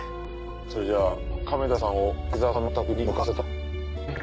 それじゃ亀田さんを相沢さんのお宅に向かわせたのは。